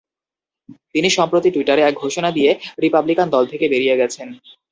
তিনি সম্প্রতি টুইটারে এক ঘোষণা দিয়ে রিপাবলিকান দল থেকে বেরিয়ে গেছেন।